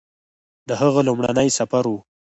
د هغه لومړنی سفر و